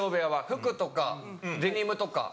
服とかデニムとか。